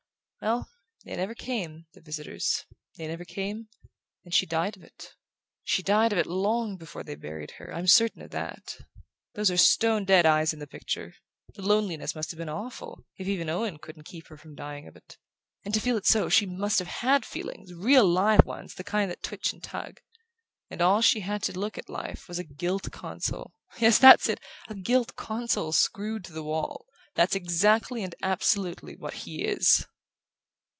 Well, they never came, the visitors; they never came; and she died of it. She died of it long before they buried her: I'm certain of that. Those are stone dead eyes in the picture...The loneliness must have been awful, if even Owen couldn't keep her from dying of it. And to feel it so she must have HAD feelings real live ones, the kind that twitch and tug. And all she had to look at all her life was a gilt console yes, that's it, a gilt console screwed to the wall! That's exactly and absolutely what he is!"